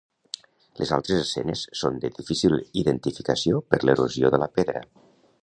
Les altres escenes són de difícil identificació per l'erosió de la pedra.